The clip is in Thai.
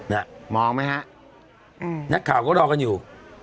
น่ะมองไหมฮะอืมนักข่าวก็รอกันอยู่